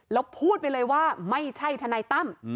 แล้วพูดไปเลยว่าไม่ใช่ทนายตั้ม